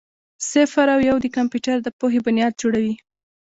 صفر او یو د کمپیوټر د پوهې بنیاد جوړوي.